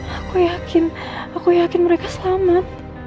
aku yakin aku yakin mereka selamat